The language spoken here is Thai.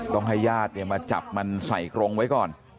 ต้องให้ญาติมาจับมันใส่กรงไว้ก่อน